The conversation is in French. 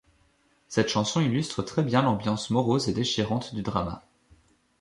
Cette chanson illustre très bien l'ambiance morose et déchirante du drama.